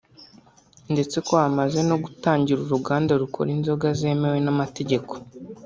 ndetse ko hamaze no gutangira uruganda rukora inzoga zemewe n’amategeko